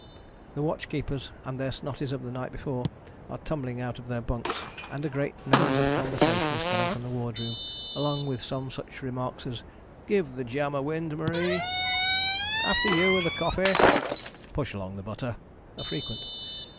The watch keepers and their snotties of the night before are tumbling out of their bunks, and a great noise of conversation is coming from the wardroom, among which some such remarks as: "Give the jam a wind, Marie"; "After you with the coffee"; "Push along the butter" are frequent.